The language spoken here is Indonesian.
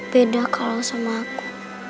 beda kalau sama aku